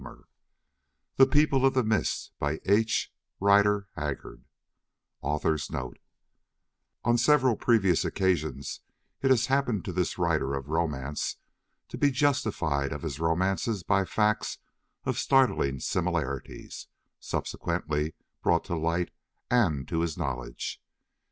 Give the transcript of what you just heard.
OTTER'S FAREWELL ENVOI THE END OF THE ADVENTURE AUTHOR'S NOTE On several previous occasions it has happened to this writer of romance to be justified of his romances by facts of startling similarity, subsequently brought to light and to his knowledge.